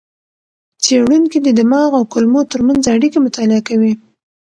څېړونکي د دماغ او کولمو ترمنځ اړیکې مطالعه کوي.